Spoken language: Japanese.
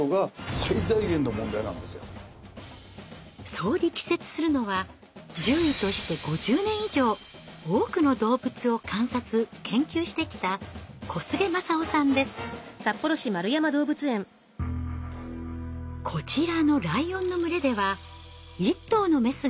そう力説するのは獣医として５０年以上多くの動物を観察研究してきたこちらのライオンの群れでは一頭のメスが発情期を迎えていました。